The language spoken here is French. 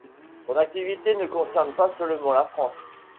Son activité ne concerne pas seulement la France.